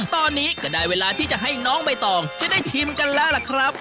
ตอนนี้ก็ได้เวลาที่จะให้น้องใบตองจะได้ชิมกันแล้วล่ะครับ